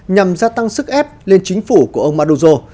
nhằm gia tăng sức ép lên chính phủ của ông madujo